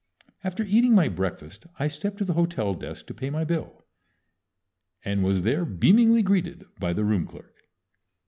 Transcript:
After eating my breakfast I stepped to the hotel desk to pay my bill, and was there beamingly greeted by the room clerk.